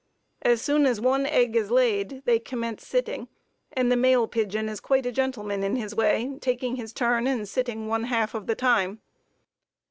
As soon as one egg is laid, they commence sitting, and the male pigeon is quite a gentleman in his way, taking his turn and sitting one half of the time.